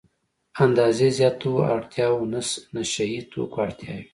اندازې زياتو اړتیاوو نشه يي توکو اړتیا وي.